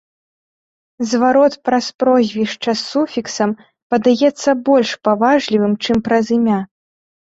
Зварот праз прозвішча з суфіксам падаецца больш паважлівым, чым праз імя.